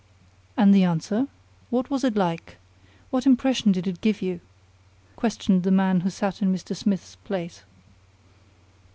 "And the answer? What was it like? What impression did it give you?" questioned the man who sat in Mr. Smith's place.